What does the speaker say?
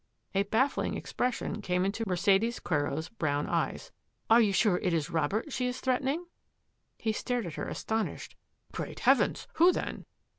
A baffling expression came into Mercedes Quero's brown eyes. " Are you sure it is Robert she is threatening? " He stared at her astonished. ^^ Great Heavens ! Who then?